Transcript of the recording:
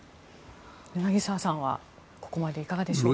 柳澤さんはここまでいかがでしょうか？